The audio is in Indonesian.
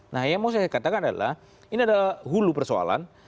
nah yang mau saya katakan adalah ini adalah hulu persoalan